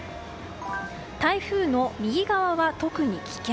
台風の右側は特に危険。